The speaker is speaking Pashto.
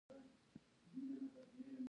د مانځۀ نه پس چې بهر راووتم نو نورالله وايي